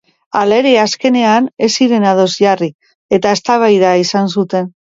Halere, azkenean ez ziren ados jarri, eta eztabaida izan zuten.